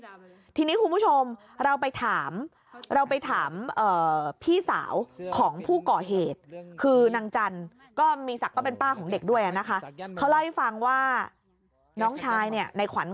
แล้วทีนี้คุณผู้ชมเราไปถามเราไปถามพี่สาวของผู้ก่อเหตุคือนางจันทร์ก็มีศักดิ์ก็เป็นป้าของเด็กด้วยนะคะเขาเล่าให้ฟังว่าน้องชายเนี่ยในขวัญ